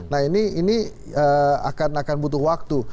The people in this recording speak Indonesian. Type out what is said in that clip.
nah ini akan butuh waktu